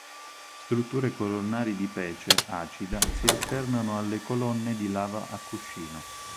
Strutture colonnari di pece acida si alternano alle colonne di lava a cuscino.